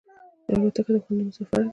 الوتکه د خوندونو سفر دی.